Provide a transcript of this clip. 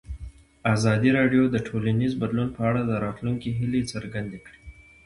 ازادي راډیو د ټولنیز بدلون په اړه د راتلونکي هیلې څرګندې کړې.